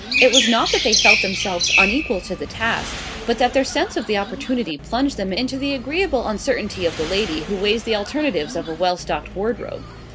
It was not that they felt themselves unequal to the task, but that their sense of the opportunity plunged them into the agreeable uncertainty of the lady who weighs the alternatives of a well stocked wardrobe.